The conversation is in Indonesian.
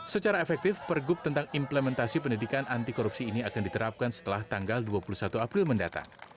secara efektif pergub tentang implementasi pendidikan anti korupsi ini akan diterapkan setelah tanggal dua puluh satu april mendatang